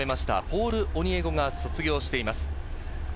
ポール・オニエゴが卒業しています。